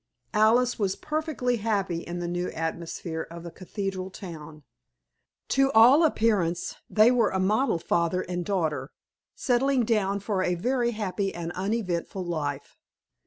Alice was perfectly happy in the new atmosphere of a cathedral town. To all appearance they were a model father and daughter, settling down for a very happy and uneventful life.